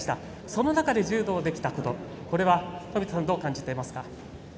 その中で柔道をできたことこれは冨田さんはどう感じていますか？